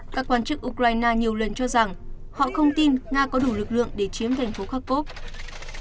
các quan chức ukraine nhiều lần cho rằng họ không tin nga có đủ lực lượng để chiếm thành phố kharkov